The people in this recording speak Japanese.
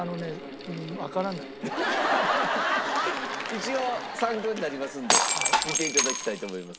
一応参考になりますんで見て頂きたいと思います。